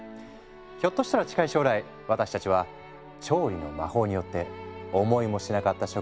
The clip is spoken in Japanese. ひょっとしたら近い将来私たちは調理の魔法によって思いもしなかった食材を食べているのかもしれないね。